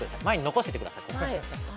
前に残しててください。